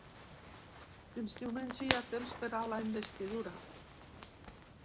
Fins diumenge hi ha temps per a la investidura.